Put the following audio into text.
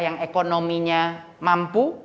yang ekonominya mampu